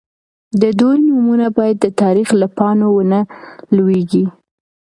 د دوی نومونه باید د تاریخ له پاڼو ونه لوېږي.